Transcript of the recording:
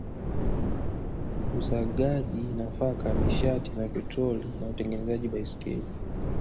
Usagaji nafaka nishati na petroli na utengenezaji baiskeli